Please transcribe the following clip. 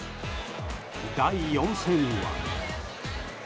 第４戦は。